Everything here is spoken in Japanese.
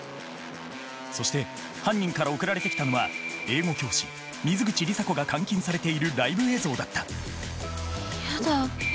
そして犯人から送られてきたのは英語教師水口里紗子が監禁されているライブ映像だったやだ。